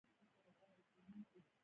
هغه ناببره اکسلېټر کېکاږه.